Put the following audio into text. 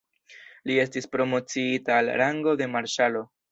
Li estis promociita al rango de marŝalo.